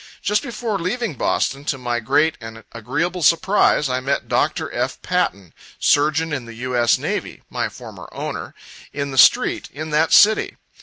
Just before leaving Boston, to my great and agreeable surprise, I met Dr. F. Patten, surgeon in the U. S. Navy, (my former owner,) in the street, in that city.